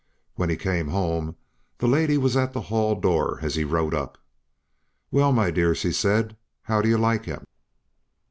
When he came home, the lady was at the hall door as he rode up. "Well, my dear," she said, "how do you like him?"